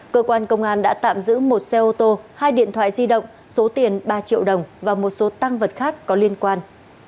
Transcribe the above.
cơ quan công an đã tạm giữ một xe ô tô hai điện thoại di động số tiền ba triệu đồng và một số tăng vật khác có liên quan